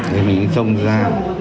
thì mình xông ra